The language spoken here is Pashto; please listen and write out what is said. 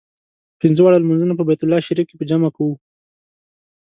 پنځه واړه لمونځونه په بیت الله شریف کې په جمع کوو.